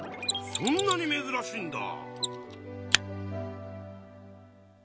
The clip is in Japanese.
そんなにめずらしいんだ。